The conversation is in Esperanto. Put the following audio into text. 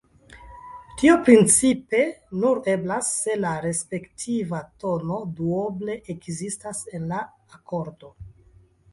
Tio principe nur eblas, se la respektiva tono duoble ekzistas en la akordo.